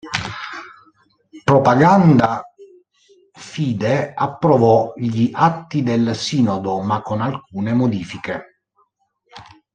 Propaganda Fide approvò gli atti del sinodo, ma con alcune modifiche.